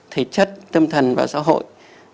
thể chất tâm thần và xã hội